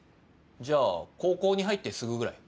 じゃあ高校に入ってすぐぐらい？